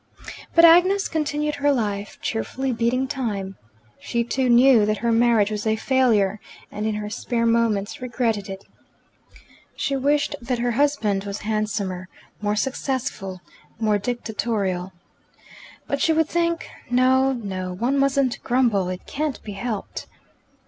But Agnes continued her life, cheerfully beating time. She, too, knew that her marriage was a failure, and in her spare moments regretted it. She wished that her husband was handsomer, more successful, more dictatorial. But she would think, "No, no; one mustn't grumble. It can't be helped."